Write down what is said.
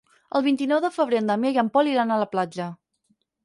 El vint-i-nou de febrer en Damià i en Pol iran a la platja.